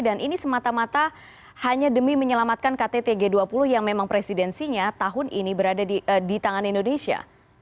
dan ini semata mata hanya demi menyelamatkan kttg dua puluh yang memang presidensinya tahun ini berada di tangan indonesia